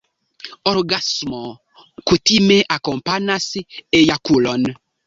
Orgasmo kutime akompanas ejakulon.